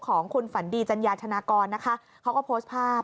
ของคุณฝันดีจัญญาธนากรนะคะเขาก็โพสต์ภาพ